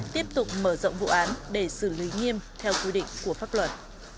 tiếp tục mở rộng vụ án để xử lý nghiêm theo quy định của pháp luật